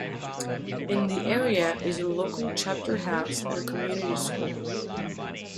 In the area is a local Chapter House and a community school.